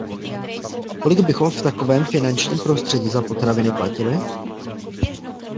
Kolik bychom v takovém finančním prostředí za potraviny platili?